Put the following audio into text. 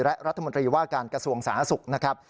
และรัฐมนตรีว่าการกระทรวงสาธารณสุขนะครับ